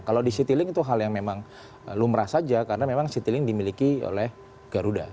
kalau di citylink itu hal yang memang lumrah saja karena memang citylink dimiliki oleh garuda